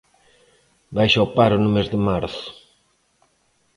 Baixa o paro no mes de marzo.